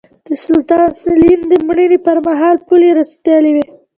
د سلطان سلین د مړینې پرمهال پولې رسېدلې وې.